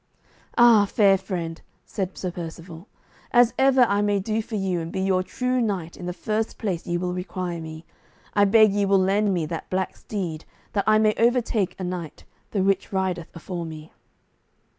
"Ah, fair friend," said Sir Percivale, "as ever I may do for you and be your true knight in the first place ye will require me, I beg ye will lend me that black steed, that I may overtake a knight, the which rideth afore me."